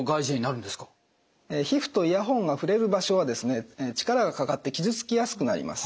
皮膚とイヤホンが触れる場所は力がかかって傷つきやすくなります。